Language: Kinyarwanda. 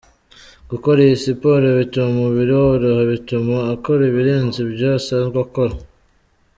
Gukora iyi siporo bituma umubiri woroha bituma akora ibirenze ibyo asanzwe akora.